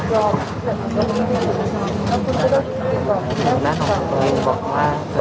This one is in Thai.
ขอบคุณครับ